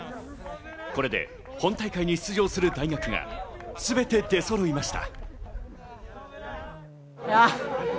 これで本大会に出場する大学がすべて出そろいました。